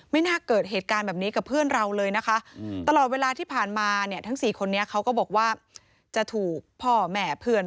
ไม่น่าเกิดเหตุการณ์แบบนี้กับเพื่อนเราเลยนะคะ